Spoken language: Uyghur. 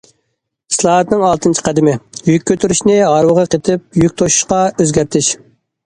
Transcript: ئىسلاھاتنىڭ ئالتىنچى قەدىمى: يۈك كۆتۈرۈشنى ھارۋىغا قېتىپ يۈك توشۇشقا ئۆزگەرتىش.